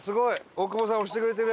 大久保さん押してくれてる。